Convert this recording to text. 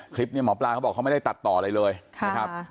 คลิปเนี่ยหมอปลาเขาบอกเขาไม่ได้ตัดต่อเลยเลยค่ะ